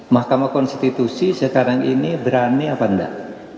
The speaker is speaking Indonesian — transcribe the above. mahkamah konstitusi sekarang ini berani apa enggak